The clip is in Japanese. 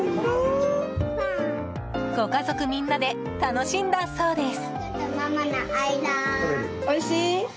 ご家族みんなで楽しんだそうです。